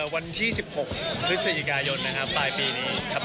วันที่๑๖พฤศจิกายนนะครับปลายปีนี้ครับ